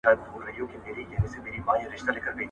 که وخت وي ترتيب کوم